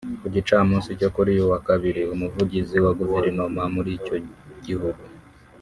Ku gicamunsi cyo kuri uyu wa kabiri umuvugizi wa Guverinoma muri icyo gihugu